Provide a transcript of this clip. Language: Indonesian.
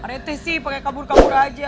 pak rt sih pakai kabur kabur aja